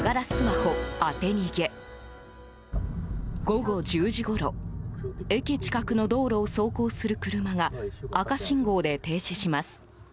午後１０時ごろ駅近くの道路を走行する車が赤信号で停止します。